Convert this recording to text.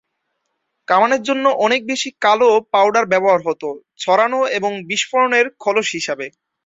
কামানের জন্য অনেক বেশি কালো পাউডার ব্যবহার হতো, ছড়ানো এবং বিস্ফোরণের খোলস হিসেবে।